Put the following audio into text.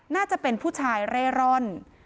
น่าจะเป็นผู้ชายเร่ร่อน